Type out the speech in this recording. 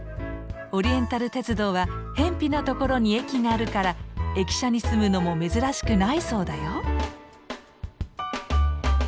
オリエンタル鉄道はへんぴな所に駅があるから駅舎に住むのも珍しくないそうだよ。